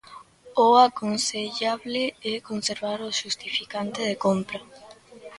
O aconsellable é conservar o xustificante de compra.